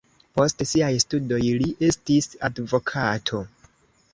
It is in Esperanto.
Post siaj studoj li estis advokato.